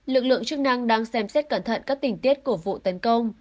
lực lượng chức năng đang xem xét cẩn thận các tình tiết của vụ tấn công